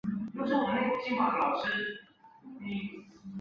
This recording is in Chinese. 她于圣玛加利女书院毕业后本来打算投考警察。